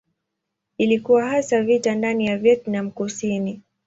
Ilikuwa hasa vita ndani ya Vietnam Kusini.